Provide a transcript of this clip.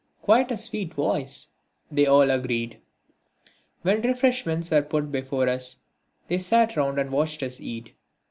"Quite a sweet voice," they all agreed. When refreshments were put before us they sat round and watched us eat.